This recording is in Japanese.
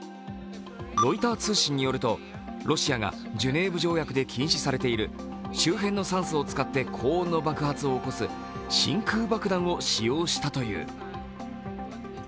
ロイター通信によると、ロシアがジュネーブ条約で禁止されている周辺の酸素を使って高温の爆発を起こす真空爆弾を使用したという。